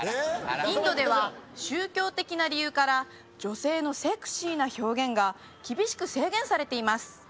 インドでは宗教的な理由から女性のセクシーな表現が厳しく制限されています